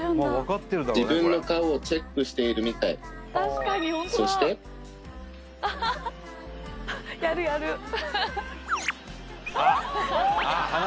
自分の顔をチェックしているみたいそしてああ鼻